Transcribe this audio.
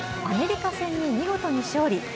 アメリカ戦に見事に勝利。